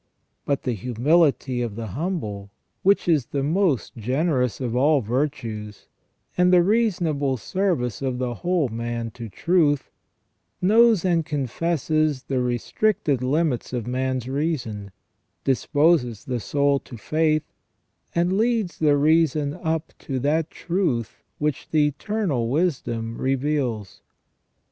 But the humility of the humble, which is the most generous of all virtues, and the reasonable service of the whole man to truth, knows and confesses the restricted limits of man's reason, disposes the soul to faith, and leads the reason up to that truth which the Eternal Wisdom reveals.